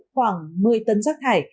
khoảng một mươi tấn rắc hải